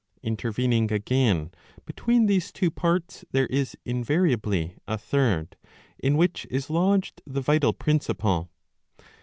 Interven ing again between these two parts there is invariably a third, in which is lodged the vital principle.